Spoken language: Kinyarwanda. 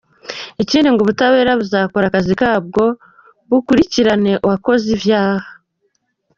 Ikindi ngo ubutabera buzakora akazi kabwo, bukurikirane uwakoze ivyaha.